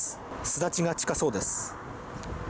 巣立ちが近そうです。